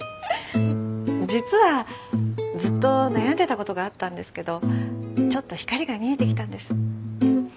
実はずっと悩んでたことがあったんですけどちょっと光が見えてきたんです。